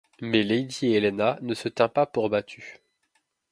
Mais lady Helena ne se tint pas pour battue.